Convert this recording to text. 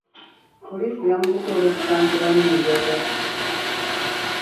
Poliisi yamukutte olw'okusangibwa n'enjaga.